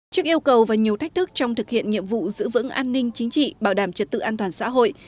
trước yêu cầu và nhiều thách thức trong thực hiện nhiệm vụ giữ vững an ninh chính trị bảo đảm trật tự an toàn xã hội